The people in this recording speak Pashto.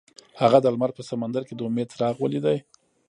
هغه د لمر په سمندر کې د امید څراغ ولید.